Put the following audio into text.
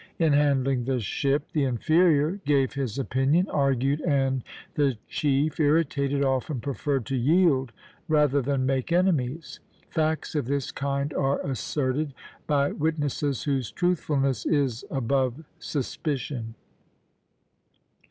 In handling the ship, the inferior gave his opinion, argued, and the chief, irritated, often preferred to yield rather than make enemies. Facts of this kind are asserted by witnesses whose truthfulness is above suspicion."